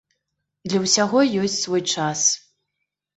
Для ўсяго ёсць свой час.